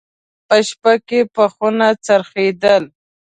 په شپه کې به خونه څرخېدل.